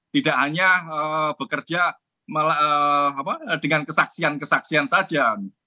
tidak hanya bekerja dengan kesaksian kesaksian saja